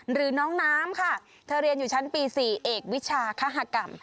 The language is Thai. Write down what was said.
หรือน้องน้ำค่ะเธอเรียนอยู่ชั้นปี๔เอกวิชาคหกรรม